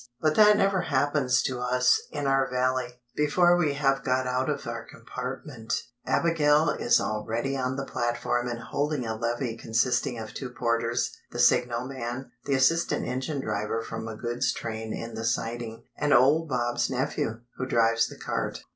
But that never happens to us in our Valley. Before we have got out of our compartment, Abigail is already on the platform and holding a levee consisting of two porters, the signalman, the assistant engine driver from a goods train in the siding, and old Bob's nephew, who drives the cart.